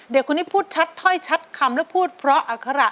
เด็กคนนี้พูดชัดถ้อยชัดคำและพูดเพราะอัคระ